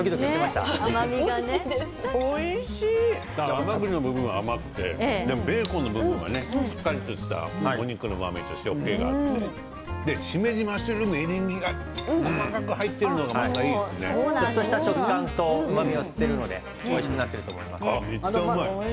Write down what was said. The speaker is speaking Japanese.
甘ぐりは甘くてベーコンはしっかりとお肉のうまみと塩けそして、しめじ、マッシュルームエリンギが細かく入っているのがちょっとした食感と、うまみを吸っているのでおいしくなってると思います。